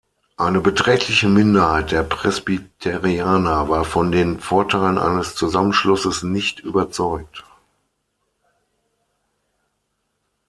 Eine beträchtliche Minderheit der Presbyterianer war von den Vorteilen eines Zusammenschlusses nicht überzeugt.